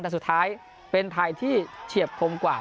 แต่สุดท้ายเป็นไทยที่เฉียบคมกว่า